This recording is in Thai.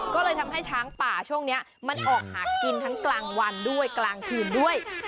ก็เลยทำให้ช้างป่าช่วงนี้มันออกหากินทั้งกลางวันด้วยกลางคืนด้วย